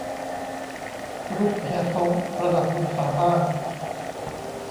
รูปเฮียซ้งประดับบนฝาบ้าน